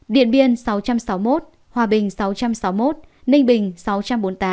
điện biên sáu trăm sáu mươi một hòa bình sáu trăm sáu mươi một ninh bình sáu trăm bốn mươi tám